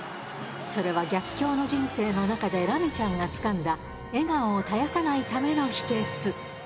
それは逆境の人生の中でラミちゃんがつかんだ笑顔を絶やさないための秘けつ。